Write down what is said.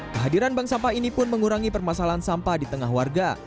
kehadiran bank sampah ini pun mengurangi permasalahan sampah di tengah warga